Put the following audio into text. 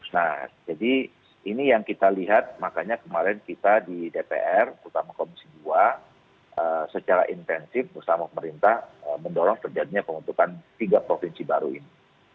nah jadi ini yang kita lihat makanya kemarin kita di dpr utama komisi dua secara intensif bersama pemerintah mendorong terjadinya pembentukan tiga provinsi baru ini